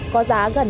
để giá xăng tăng